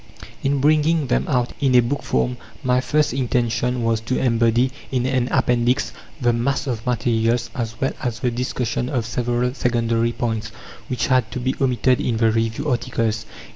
In bringing them out in a book form my first intention was to embody in an Appendix the mass of materials, as well as the discussion of several secondary points, which had to be omitted in the review articles.